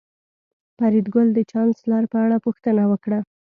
فریدګل د چانسلر په اړه پوښتنه وکړه